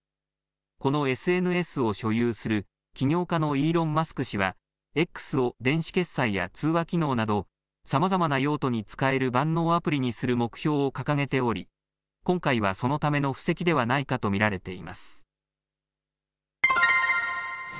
このＳＮＳを所有する起業家のイーロン・マスク氏はＸを電子決済や通話機能などさまざまな用途に使える万能アプリにする目標を掲げており、今回はそのための布石ではないかと見られています。